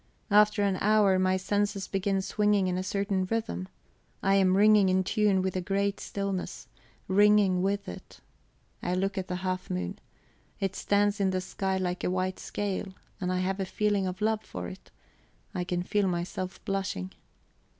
After an hour, my senses begin swinging in a certain rhythm. I am ringing in tune with the great stillness ringing with it. I look at the half moon; it stands in the sky like a white scale, and I have a feeling of love for it; I can feel myself blushing.